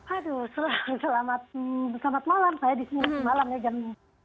aduh selamat malam saya di sini semalam jam dua puluh tiga